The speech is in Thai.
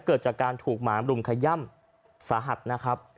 เกิดจากการถูกหมามรุมขย่ำสาหัสนะครับ